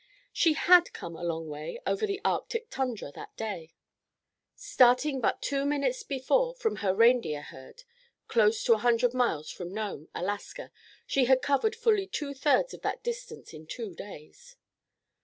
She had come a long way over the Arctic tundra that day. Starting but two mornings before from her reindeer herd, close to a hundred miles from Nome, Alaska, she had covered fully two thirds of that distance in two days.